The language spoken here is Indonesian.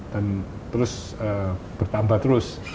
dan terus bertambah terus